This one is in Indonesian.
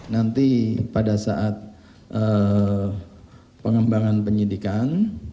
nanti pada saat pengembangan penyidikan